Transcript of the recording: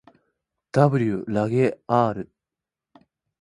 ｗ らげ ｒ